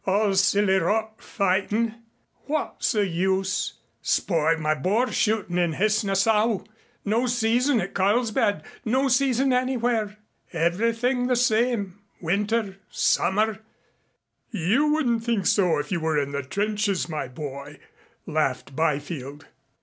"All silly rot fightin'. What's the use. Spoiled my boar shootin' in Hesse Nassau no season at Carlsbad no season anywhere everything the same winter summer " "You wouldn't think so if you were in the trenches, my boy," laughed Byfield.